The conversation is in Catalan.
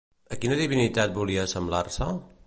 A quina divinitat volia assemblar-se?